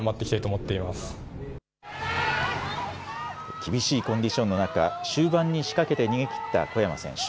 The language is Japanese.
厳しいコンディションの中、終盤に仕掛けて逃げきった小山選手。